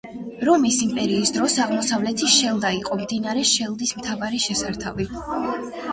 რომის იმპერიის დროს აღმოსავლეთი შელდა იყო მდინარე შელდის მთავარი შესართავი.